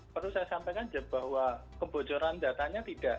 perlu saya sampaikan bahwa kebocoran datanya tidak